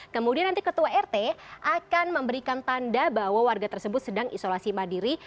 kemudian nanti ketua rt akan memberikan tanda bahwa warga tersebut sedang isolasi mandiri